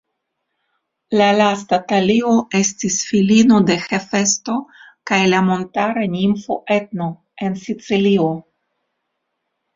La lasta Talio estis filino de Hefesto kaj la montara nimfo Etno, en Sicilio.